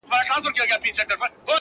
o د مرگ څخه چاره نسته.